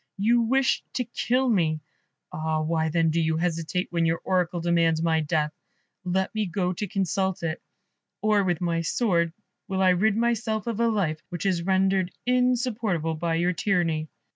You wish to kill me. Ah, why, then, do you hesitate, when your Oracle demands my death? Let me go to consult it, or with my sword will I rid myself of a life which is rendered insupportable by your tyranny."